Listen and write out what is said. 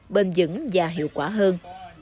bền dững và hiệu quả hơn